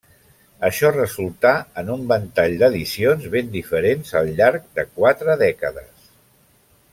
Això resultà en un ventall d'edicions ben diferents al llarg de quatre dècades.